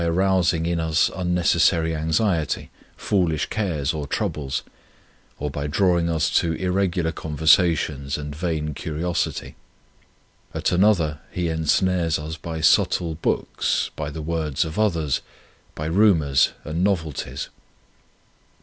29 On Union with God arousing in us unnecessary anxiety, foolish cares or troubles, or by drawing us to irregular conversa tions and vain curiosity. At another he ensnares us by subtle books, by the words of others, by rumours and novelties.